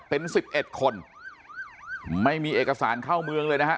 เป็น๑๑คนไม่มีเอกสารเข้าเมืองเลยนะฮะ